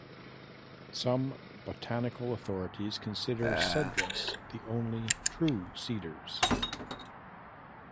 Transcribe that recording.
Some botanical authorities consider "Cedrus" the only "true cedars".